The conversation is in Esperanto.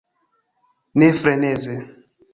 Ne freneze!